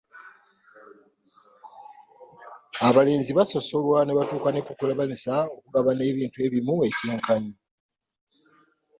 Abalenzi basosolwa ne kituuka ne ku kubalemesa okugabana ebintu ebimu ekyenkanyi.